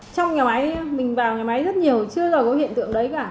trong nhà máy mình vào nhà máy rất nhiều chưa giờ có hiện tượng đấy cả